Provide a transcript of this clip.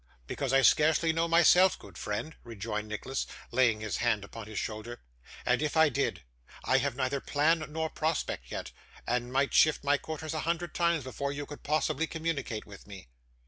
'Because I scarcely know myself, good friend,' rejoined Nicholas, laying his hand upon his shoulder; 'and if I did, I have neither plan nor prospect yet, and might shift my quarters a hundred times before you could possibly communicate with me.